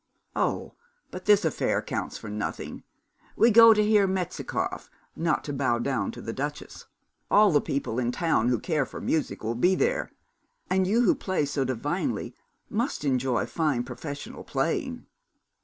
'Oh, but this affair counts for nothing. We go to hear Metzikoff, not to bow down to the duchess. All the people in town who care for music will be there, and you who play so divinely must enjoy fine professional playing.'